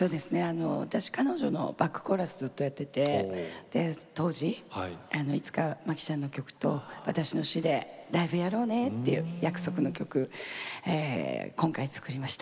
私彼女のバックコーラスずっとやってて当時いつか摩季ちゃんの曲と私の詞でライブやろうねっていう約束の曲今回作りました。